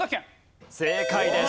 正解です。